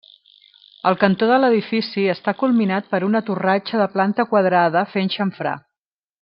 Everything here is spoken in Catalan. El cantó de l'edifici està culminat per una torratxa de planta quadrada fent xamfrà.